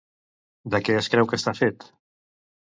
De què es creu que està fet?